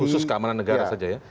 khusus keamanan negara saja ya